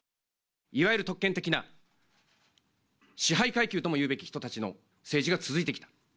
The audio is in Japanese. いわゆる特権的な支配階級ともいうべき人たちの政治が続いてきた。